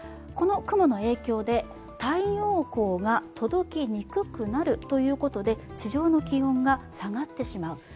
この雲の影響で太陽光が届きにくくなるということで地上の気温が下がってしまう。